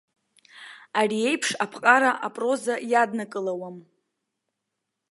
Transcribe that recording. Ари еиԥш аԥҟара апроза иаднакылауам.